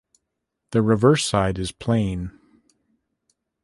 The reverse side is plain.